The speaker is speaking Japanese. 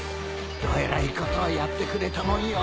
どえらいことをやってくれたもんよ。